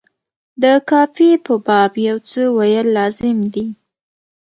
د قافیې په باب یو څه ویل لازم دي.